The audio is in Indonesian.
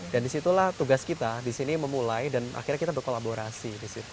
disitulah tugas kita di sini memulai dan akhirnya kita berkolaborasi di situ